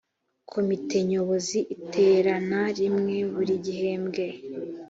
komite nyobozi iterana rimwe buri gihembwe